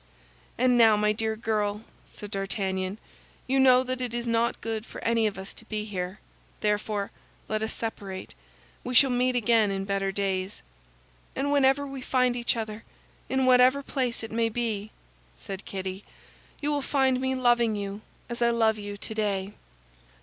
"And now, my dear girl," said D'Artagnan, "you know that it is not good for any of us to be here. Therefore let us separate. We shall meet again in better days." "And whenever we find each other, in whatever place it may be," said Kitty, "you will find me loving you as I love you today."